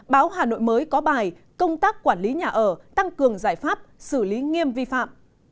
báo hà nội mới có bài công tác quản lý nhà ở tăng cường giải pháp xử lý nghiêm vi phạm